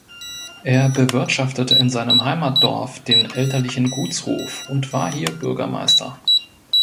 Er bewirtschaftete in seinem Heimatdorf den elterlichen Gutshof und war hier Bürgermeister.